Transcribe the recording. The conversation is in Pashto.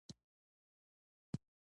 چرګان د انسانانو سره ژوره اړیکه لري.